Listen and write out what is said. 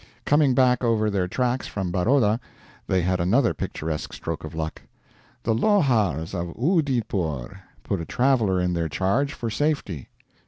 Coming back over their tracks from Baroda, they had another picturesque stroke of luck: "'The Lohars of Oodeypore' put a traveler in their charge for safety."